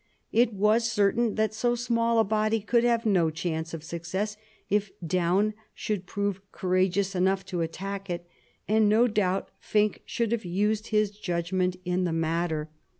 It was certain that so small a body could have no chance of success if Daun should prove courageous enough to attack it, and no doubt Finck should have used his judgment in the 160 MARIA THERESA chap, vii matter.